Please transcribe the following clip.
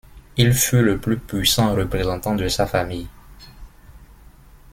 Il fut le plus puissant représentant de sa famille.